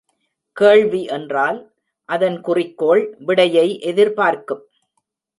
கேள்வி என்றால், அதன் குறிக்கோள், விடையை எதிர்பார்க்கும்.